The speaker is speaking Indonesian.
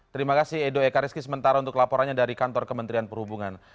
terima kasih edo ekariski sementara untuk laporannya dari kantor kementerian perhubungan